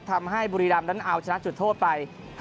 ทำให้บุรีรามดันเอาชนะจุดโทษไป